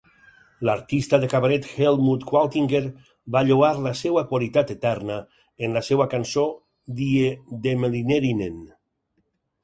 L'artista de cabaret Helmut Qualtinger va lloar la seva qualitat eterna en la seva cançó "Die Demelinerinnen".